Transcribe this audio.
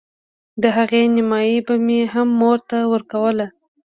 د هغې نيمايي به مې هم مور ته ورکوله.